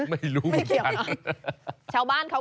ไม่รู้เหมือนกัน